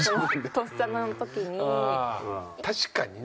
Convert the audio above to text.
確かにね。